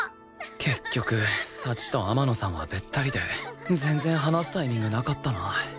結局幸と天野さんはベッタリで全然話すタイミングなかったな